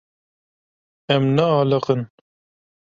Em naaliqin.